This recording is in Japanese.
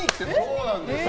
そうなんです。